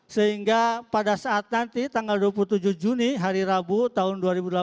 sehingga pada saat nanti tanggal dua puluh tujuh juni hari rabu tahun dua ribu delapan belas